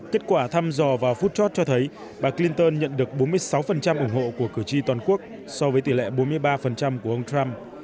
kết quả thăm dò vào phút chót cho thấy bà clinton nhận được bốn mươi sáu ủng hộ của cử tri toàn quốc so với tỷ lệ bốn mươi ba của ông trump